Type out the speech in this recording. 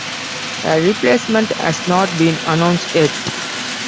A replacement has not been announced yet.